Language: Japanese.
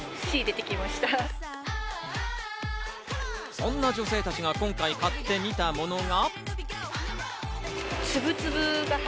そんな女性たちが今回買ってみたものが。